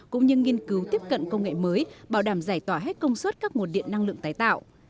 cũng như nghiên cứu tiếp cận công nghệ mới bảo đảm giải tỏa hết công suất các nguồn điện năng lượng tái tạo